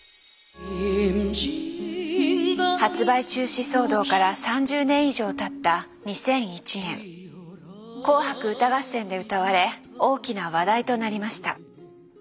発売中止騒動から３０年以上たった２００１年紅白歌合戦で歌われ大きな話題となりました。